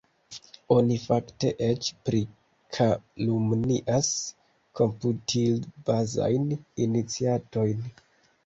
Oni fakte eĉ prikalumnias komputilbazajn iniciatojn.